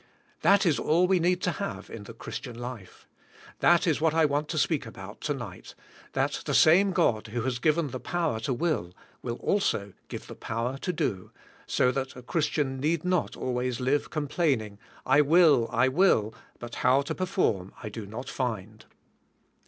That is all we need to have in the Christian life. That is what I want to speak about to nig^ht, that the same God who has g'iven the power to will, will also g ive the power to do, so that a Christian need not always live complaining", I will, I will, but how to perform, I do not find.